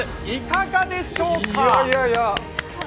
いかがでしょうか。